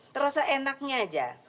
terus seenaknya aja